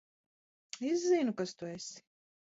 Es zinu, kas tu esi.